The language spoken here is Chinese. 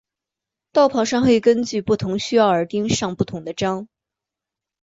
道袍上会根据不同需要而钉上不同的章。